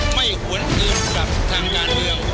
ไม่หวนอื่นกับทางด้านเรือง